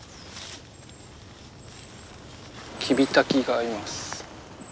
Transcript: キビタキがいます。